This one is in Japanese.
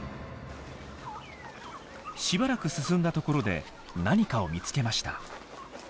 しばらく進んだところで何かを見つけました。